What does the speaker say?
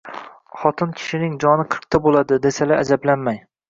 Xotin kishining joni qirqta bo’ladi, desalar ajablanmang.